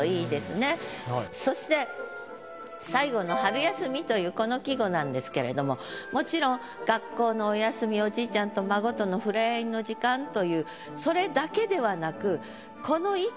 そして最後の「春休み」というこの季語なんですけれどももちろん学校のお休みおじいちゃんと孫との触れ合いの時間というそれだけではなく。